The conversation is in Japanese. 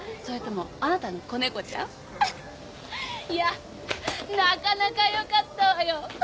それともあなたの子猫ちゃん？いやなかなかよかったわよ。